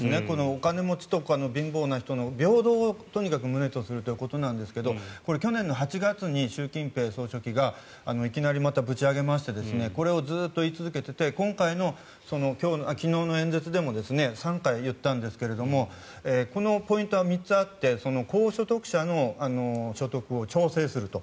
お金持ちと貧乏な人の平等をとにかく旨とするということですが去年８月に習近平総書記がいきなりまたぶち上げましてこれをずっと言い続けていて昨日の演説でも３回言ったんですがこのポイントは３つあって高所得者の所得を調整すると。